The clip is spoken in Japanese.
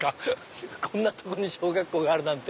こんな所に小学校があるなんて。